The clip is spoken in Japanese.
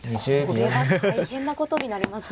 これは大変なことになりますね。